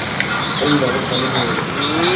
Onları tanımıyorum.